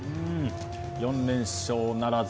４連勝ならず。